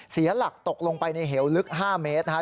เสียหลักตกลงไปในเหวลึก๕เมตรนะครับ